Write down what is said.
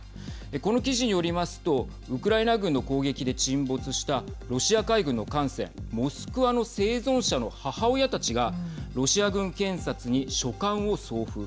この記事によりますとウクライナ軍の攻撃で沈没したロシア海軍の艦船モスクワの生存者の母親たちがロシア軍検察に書簡を送付。